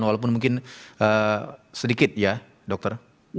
walaupun mungkin sedikit ya dokter